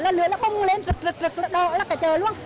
là lửa nó bông lên rực rực rực là cả trời luôn